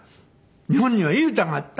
日本にはいい歌があった」。